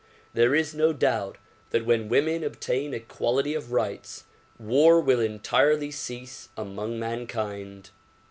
There is no doubt that when women obtain equality of rights war will entirely cease among mankind.